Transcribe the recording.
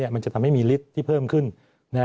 มันจะทำให้มีฤทธิ์ที่เพิ่มขึ้น